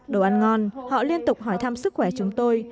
đồ ăn ngon họ liên tục hỏi thăm sức khỏe chúng tôi